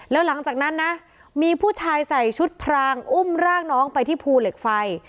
แล้วหลังจากนั้นนะมีผู้ชายใส่ชุดพรางอุ้มร่างน้องไปที่ภูเหล็กไฟ